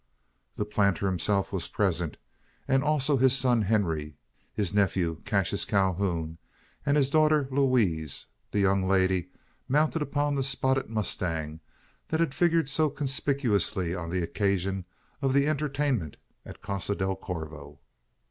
The planter himself was present; as also his son Henry, his nephew Cassius Calhoun, and his daughter Louise the young lady mounted upon the spotted mustang, that had figured so conspicuously on the occasion of the entertainment at Casa del Corvo.